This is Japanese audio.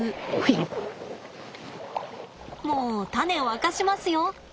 もう種を明かしますよ！